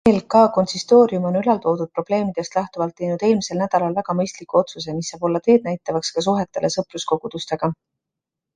EELK konsistoorium on ülal toodud probleemidest lähtuvalt teinud eelmisel nädalal väga mõistliku otsuse, mis saab olla teednäitavaks ka suhetele sõpruskogudustega.